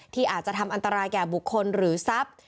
ที่อาจจะทำอันตรายแก่บุคคลหรือทรัพย์